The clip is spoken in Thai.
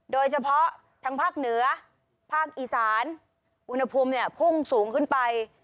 โดยเฉพาะทางภาคเหนือภาคอีสานอุณหภูมิเนี่ยพุ่งสูงขึ้นไป